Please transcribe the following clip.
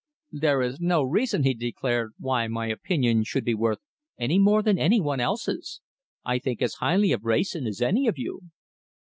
"There is no reason," he declared, "why my opinion should be worth any more than any one else's. I think as highly of Wrayson as any of you."